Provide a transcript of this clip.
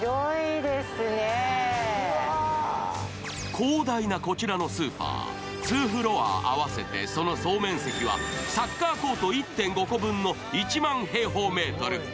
広大なこちらのスーパー、２フロア合わせてその総面積はサッカーコート１．５個分の１万平方メートル。